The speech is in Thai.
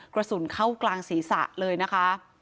กระสุนเข้ากลางศีรษะเลยนะคะ